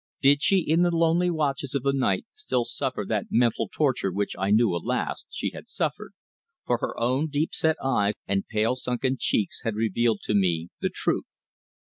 Did she in the lonely watches of the night still suffer that mental torture which I knew, alas! she had suffered, for her own deep set eyes, and pale, sunken cheeks had revealed to me the truth.